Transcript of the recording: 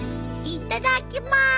いただきまーす！